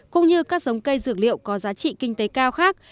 cũng như các giống cây dược liệu có giá trị kinh tế cao khác